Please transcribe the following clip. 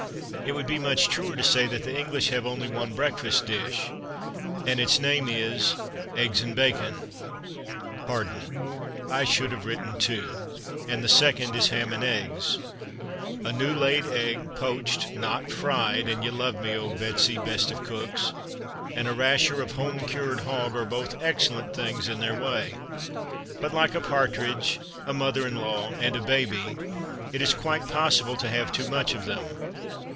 It would be much truer to say that the English have only one breakfast dish, and its name is Eggs and Bacon. Pardon, I should have written two; and the second is ham and eggs. A new laid egg poached, not fried, an ye love me, O Betsy, best of cooks and a rasher of home cured hog are both excellent things in their way; but, like a partridge, a mother in law, and a baby, it is quite possible to have too much of them.